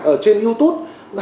ở trên youtube